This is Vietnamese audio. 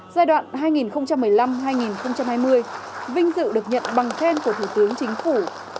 giai đoạn hai nghìn một mươi năm hai nghìn hai mươi vinh dự được nhận bằng khen của thủ tướng chính phủ